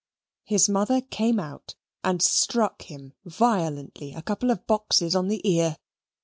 His mother came out and struck him violently a couple of boxes on the ear.